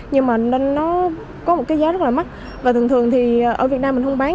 nhưng mà nên nó có một cái giá rất là mất và thường thường thì ở việt nam mình không bán